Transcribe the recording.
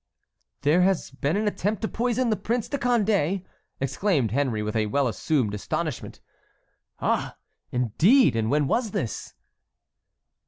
"There has been an attempt to poison the Prince de Condé?" exclaimed Henry with a well assumed astonishment. "Ah, indeed, and when was this?"